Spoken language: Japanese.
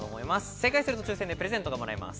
正解すると抽選でプレゼントがもらえます。